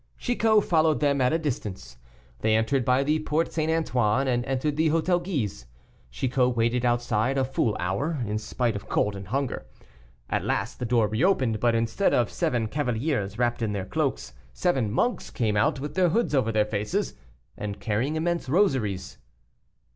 Chicot followed them at a distance. They entered by the Porte St. Antoine, and entered the Hôtel Guise. Chicot waited outside a full hour, in spite of cold and hunger. At last the door reopened, but, instead of seven cavaliers wrapped in their cloaks, seven monks came out, with their hoods over their faces, and carrying immense rosaries.